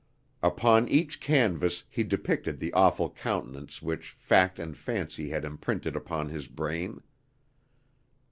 "Upon each canvas he depicted the awful countenance which fact and fancy had imprinted upon his brain.